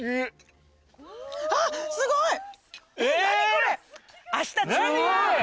これ。